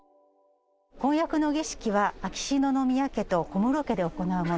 婚約の儀式は秋篠宮家と小室家で行うもの。